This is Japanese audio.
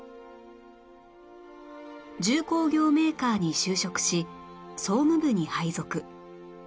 重工業メーカーに就職し総務部に配属